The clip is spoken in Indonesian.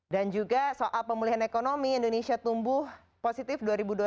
dan juga soal pemulihan ekonomi indonesia tumbuh positif dua ribu dua puluh satu